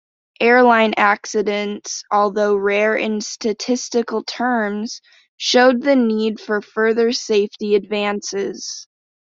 Airline accidents, although rare in statistical terms, showed the need for further safety advances.